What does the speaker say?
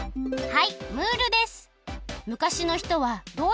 はいムールです。